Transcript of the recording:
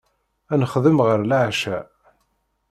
Ad nexdem ɣer leɛca.